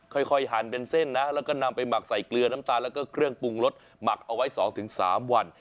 ค่อยหั่นเป็นเส้นนะแล้วก็นำไปหมักใส่เกลือน้ำตาลแล้วก็เครื่องปรุงรสหมักเอาไว้๒๓วัน